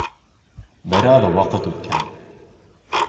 Бер аҙ ваҡыт үткән.